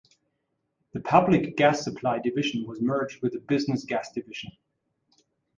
The Public Gas Supply division was merged with the Business Gas division.